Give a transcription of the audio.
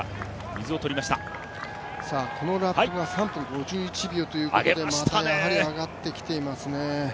このラップが３分５１秒ということでやはり上がってきてますね。